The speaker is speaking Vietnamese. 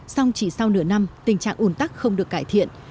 xong chỉ sau nửa năm tình trạng ủn tắc không được cải thiện